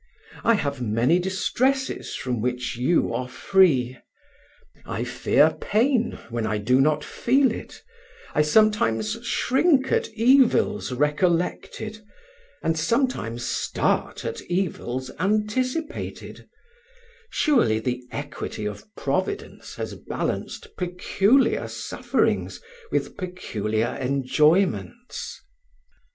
I have many distresses from which you are free; I fear pain when I do not feel it; I sometimes shrink at evils recollected, and sometimes start at evils anticipated: surely the equity of Providence has balanced peculiar sufferings with peculiar enjoyments."